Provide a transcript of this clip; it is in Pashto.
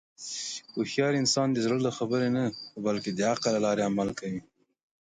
هوښیار انسان د زړه له خبرې نه، بلکې د عقل له لارې عمل کوي.